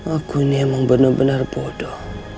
aku ini emang benar benar bodoh